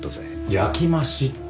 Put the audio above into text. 「焼き増し」って。